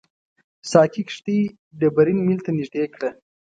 ساقي کښتۍ ډبرین میل ته نږدې کړه.